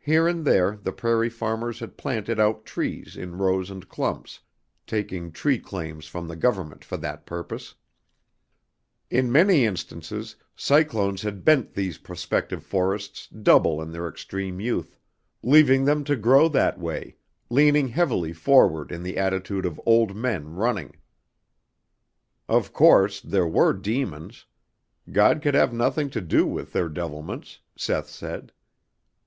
Here and there the prairie farmers had planted out trees in rows and clumps, taking tree claims from the Government for that purpose. In many instances cyclones had bent these prospective forests double in their extreme youth, leaving them to grow that way, leaning heavily forward in the attitude of old men running. Of course, there were demons. God could have nothing to do with their devilments, Seth said.